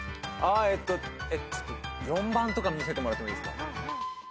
あえっと４番とか見せてもらってもいいですか？